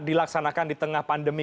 dilaksanakan di tengah pandemi